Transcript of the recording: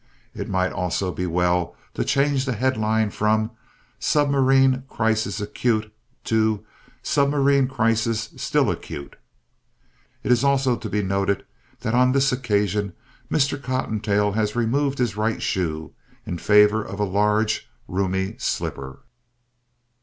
It might also be well to change the headline from "Submarine Crisis Acute" to "Submarine Crisis Still Acute." It is also to be noted that on this occasion Mr. Cottontail has removed his right shoe in favor of a large, roomy slipper.